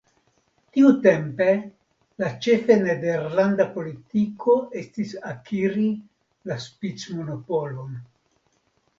Tiutempe la ĉefa nederlanda politiko estis akiri la spicmonopolon.